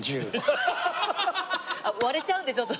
割れちゃうんでちょっと。